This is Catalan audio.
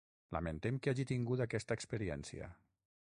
Lamentem que hagi tingut aquesta experiència.